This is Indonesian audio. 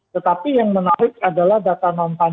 tetapi yang menarik adalah data non farm